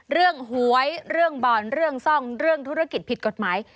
หวยเรื่องบ่อนเรื่องซ่องเรื่องธุรกิจผิดกฎหมาย